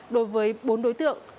đối với bốn đối tượng